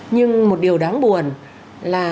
nhưng một điều đáng buồn là